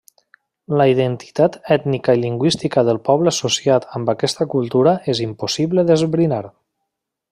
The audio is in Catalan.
La identitat ètnica i lingüística del poble associat amb aquesta cultura és impossible d'esbrinar.